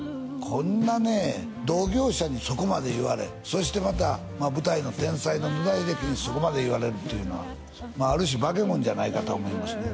こんなね同業者にそこまで言われそしてまた舞台の天才の野田秀樹にそこまで言われるというのはある種バケモンじゃないかとは思いますね